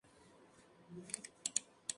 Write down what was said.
Este sería su nombre primitivo.